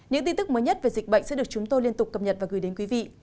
những tin tức mới nhất về dịch bệnh sẽ được chúng tôi liên tục cập nhật và gửi đến quý vị